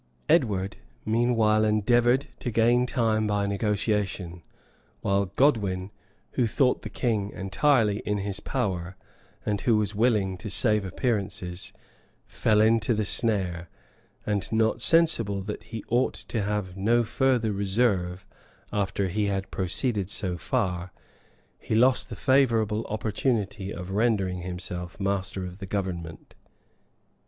Edward, meanwhile, endeavored to gain time by negotiation; while Godwin, who thought the king entirely in his power, and who was willing to save appearances, fell into the snare; and not sensible that he ought to have no further reserve after he had proceeded so far, he lost the favorable opportunity of rendering himself master of the government.